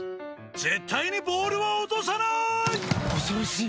絶対にボールを落とさない！